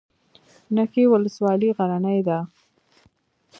نکې ولسوالۍ غرنۍ ده؟